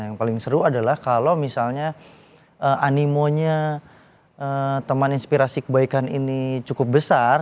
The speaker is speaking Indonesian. yang paling seru adalah kalau misalnya animonya teman inspirasi kebaikan ini cukup besar